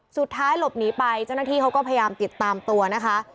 สุดท้ายหลบหนีไปเจ้าหน้าที่เขาก็พยายามติดตามตัวนะคะ